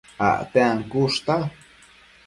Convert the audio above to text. Acte ancushta